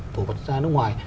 cổ vật ra nước ngoài